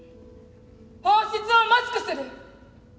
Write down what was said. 本質をマスクする！